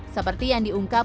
seperti yang diungkap